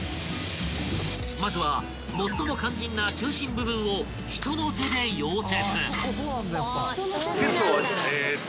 ［まずは最も肝心な中心部分を人の手で溶接］